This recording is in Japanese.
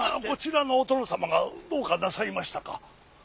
こちらのお殿様がどうかなさいましたか？